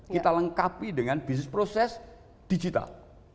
kita lengkapi dengan bisnis proses digital